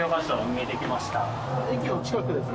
駅の近くですか？